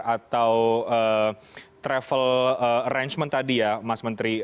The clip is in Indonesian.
atau travel arrangement tadi ya mas menteri